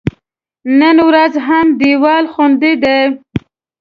نن ورځ هم دیوال خوندي دی.